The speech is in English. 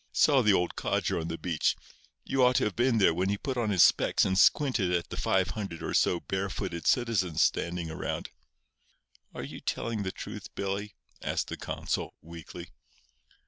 Saw the old codger on the beach. You ought to have been there when he put on his specs and squinted at the five hundred or so barefooted citizens standing around." "Are you telling the truth, Billy?" asked the consul, weakly.